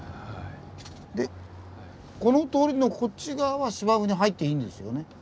でこの通りのこっち側は芝生に入っていいんですよね。